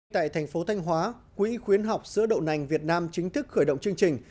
tại thành phố thanh hóa quỹ khuyến học sữa đậu nành việt nam chính thức khởi động chương trình